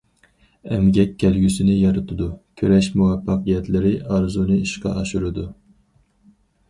ئەمگەك كەلگۈسىنى يارىتىدۇ، كۈرەش مۇۋەپپەقىيەتلىرى ئارزۇنى ئىشقا ئاشۇرىدۇ.